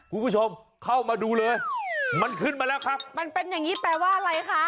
คุณผู้ชมเข้ามาดูเลยมันขึ้นมาแล้วครับมันเป็นอย่างงี้แปลว่าอะไรคะ